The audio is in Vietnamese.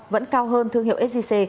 vẫn cao hơn thương hiệu sec